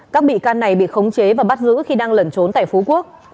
các bị can này bị khống chế và bắt giữ khi đang lẩn trốn tại phú quốc